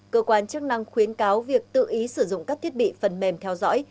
cơ quan chức năng khuyến cáo việc tự ý sử dụng các thiết bị phần mềm theo dõi